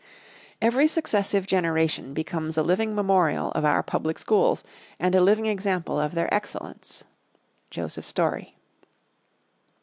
"Every successive generation becomes a living memorial of our public schools, and a living example of their excellence." _Joseph Story.